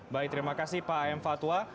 baik terima kasih pak enfatwa